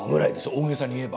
大げさに言えば。